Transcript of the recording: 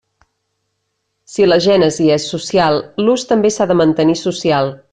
Si la gènesi és social, l'ús també s'ha de mantenir social.